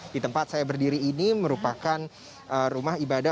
di tempat saya berdiri ini merupakan rumah ibadah